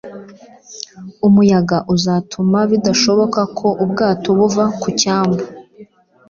Umuyaga uzatuma bidashoboka ko ubwato buva ku cyambu